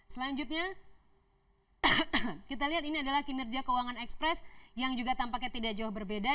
selanjutnya kita lihat ini adalah kinerja keuangan ekspres yang juga tampaknya tidak jauh berbeda